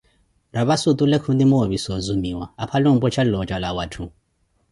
Rapasi otule kunimoopisa ozumiwa, aphale ompwecha looja la watthu.